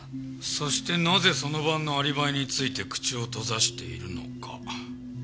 そしてなぜその晩のアリバイについて口を閉ざしているのか。